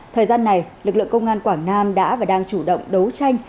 thời gian này lực lượng công an quảng nam đã và đang chủ động đấu tranh